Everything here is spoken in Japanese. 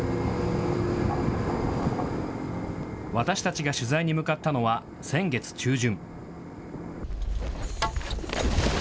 私たちが取材に向かったのは先月中旬。